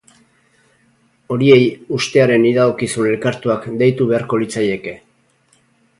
Horiei ustearen iradokizun elkartuak deitu beharko litzaieke.